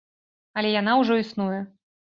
Але яна ўжо існуе.